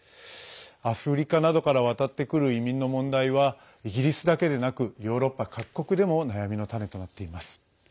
アフリカなどから渡ってくる移民の問題はイギリスだけでなくヨーロッパ各国でも悩みの種となっています。